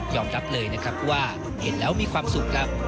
รับเลยนะครับว่าเห็นแล้วมีความสุขครับ